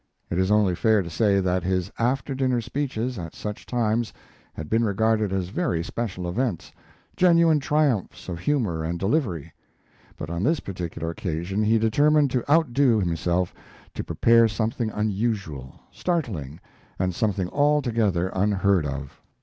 It is only fair to say that his after dinner speeches at such times had been regarded as very special events, genuine triumphs of humor and delivery. But on this particular occasion he determined to outdo himself, to prepare something unusual, startling, something altogether unheard of.